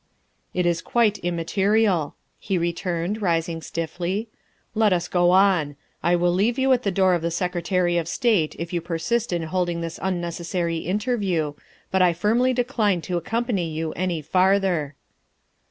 "It is quite immaterial," he returned, rising stiffly, " let us go on. I will leave you at the door of the Sec retary of State if you persist in holding this unnecessary interview, but I firmly decline to accompany you any farther."